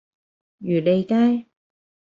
漁利街